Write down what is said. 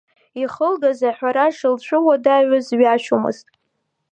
Илхылгаз аҳәара шылцәуадаҩыз ҩашьомызт.